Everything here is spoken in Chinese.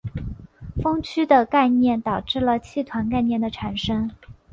锋区的概念导致了气团概念的产生。